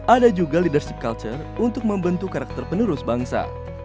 ada juga leadership culture untuk membentuk karakter penerus bangsa